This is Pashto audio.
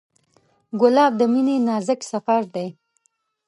ګلاب د مینې نازک سفر دی.